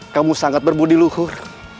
kamu sangat berbudiluhur